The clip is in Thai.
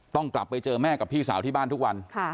ต้องกลับไปเจอแม่กับพี่สาวที่บ้านทุกวัน